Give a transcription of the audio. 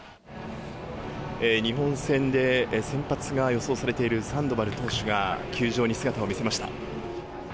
日本戦で先発が予想されているサンドバル投手が球場に姿を見せました。